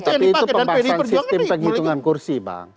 tapi itu pembahasan sistem penghitungan kursi bang